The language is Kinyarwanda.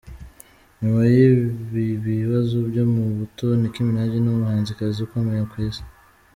Nyuma y'ibi bibazo byo mu buto, Nick Minaj ni umuhanzikazi ukomeye ku isi.